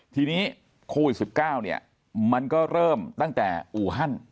ทีนี้โควิด๑๙เนี่ยมันก็เริ่มตั้งแต่อูฮัน